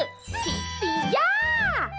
พีคปีย่า